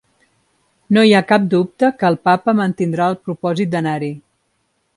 No hi ha cap dubte que el papa mantindrà el propòsit d’anar-hi.